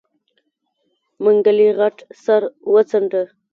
منګلي غټ سر وڅنډه.